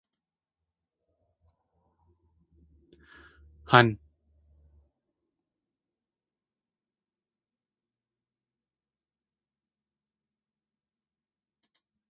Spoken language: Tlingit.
Hán.